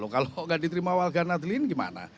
kalau nggak diterima warga nadlin gimana